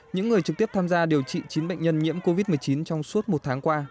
những người trực tiếp tham gia điều trị chín bệnh nhân nhiễm covid một mươi chín trong suốt một tháng qua